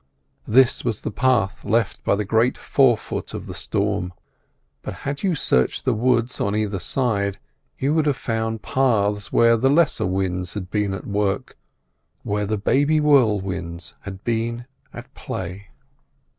This was the path left by the great fore foot of the storm; but had you searched the woods on either side, you would have found paths where the lesser winds had been at work, where the baby whirlwinds had been at play.